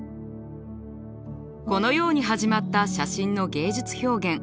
このように始まった写真の芸術表現。